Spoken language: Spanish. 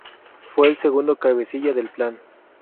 Fue el segundo cabecilla del plan.